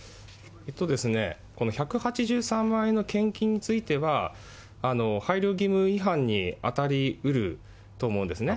この１８３万円の献金については、配慮義務違反に当たりうると思うんですね。